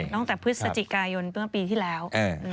ตั้งแต่พฤศจิกายนเมื่อปีที่แล้ว